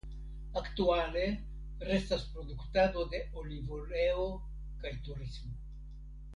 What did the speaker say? Aktuale restas produktado de olivoleo kaj turismo.